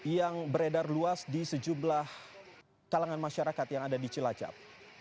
yang beredar luas di sejumlah kalangan masyarakat yang ada di cilacap